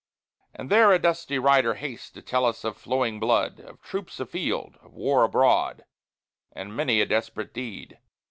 And there a dusty rider hastes to tell of flowing blood, Of troops a field, of war abroad, and many a desperate deed.